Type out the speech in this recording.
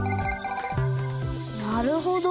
なるほど。